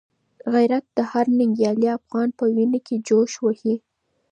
غیرت د هر ننګیالي افغان په وینه کي جوش وهي.